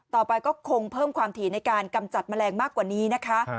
ต่อไปก็คงเพิ่มความถี่ในการกำจัดแมลงมากกว่านี้นะคะ